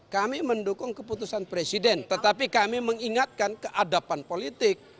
kami mendukung keputusan presiden tetapi kami mengingatkan keadapan politik